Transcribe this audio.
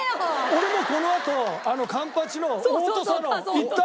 俺もこのあと環八のオートサロン行った？